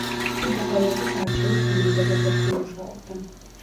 იგი ყოველთვის არჩევით თანამდებობებზე მუშაობდა.